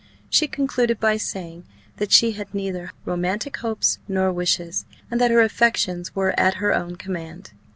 She concluded by saying, that she had neither romantic hopes nor wishes, and that her affections were at her own command.